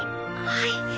はい。